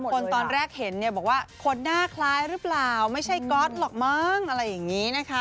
ตอนแรกเห็นเนี่ยบอกว่าคนหน้าคล้ายหรือเปล่าไม่ใช่ก๊อตหรอกมั้งอะไรอย่างนี้นะคะ